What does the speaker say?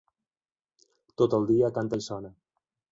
Tot el dia canta i sona.